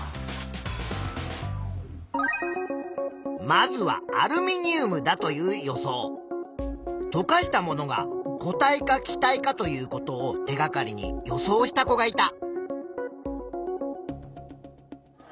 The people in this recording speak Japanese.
まずはアルミニウムだという予想。とかしたものが固体か気体かということを手がかりに予想した子がいた。